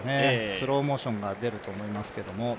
スローモーションが出ると思いますけれども。